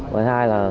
và hai là